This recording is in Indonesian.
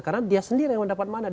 karena dia sendiri yang mendapat mandat